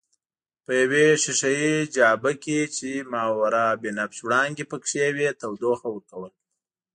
په یوې ښیښه یي جابه کې چې ماورابنفش وړانګې پکښې وې تودوخه ورکول.